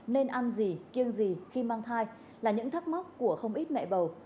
nên ăn gì kiêng gì khi mang thai là những thắc mắc của không ít mẹ bầu